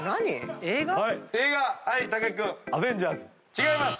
違います。